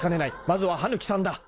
［まずは羽貫さんだ］